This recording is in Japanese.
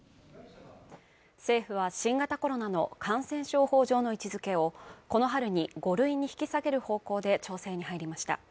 政府は新型コロナの感染症法上の位置づけをこの春に５類に引き下げる方向で調整に入りました